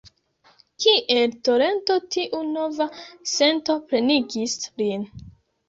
Kiel torento tiu nova sento plenigis lin.